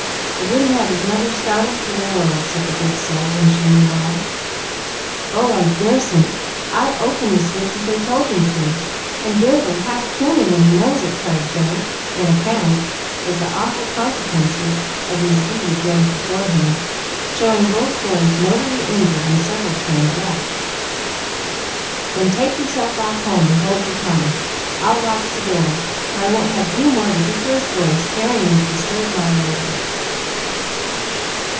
I wouldn't have his mother startled for the world," said the good soul, when she knew all. "Oh, I dar'sn't! I opened the switch as they told me to, and Bill will half kill me when he knows it!" cried Joe, in a panic, as the awful consequences of his deed rose before him, showing both boys mortally injured and several trains wrecked. "Then take yourself off home and hold your tongue. I'll watch the door, for I won't have any more ridiculous boys tearing in to disturb my lady."